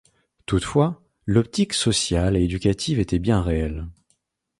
Toutefois, l’optique sociale et éducative était bien réelle.